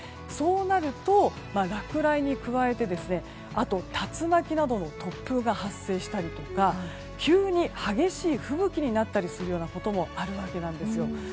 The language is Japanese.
そうなると、落雷に加えてあと竜巻などの突風が発生したりとか急に激しい吹雪になったりすることもあるわけなんです。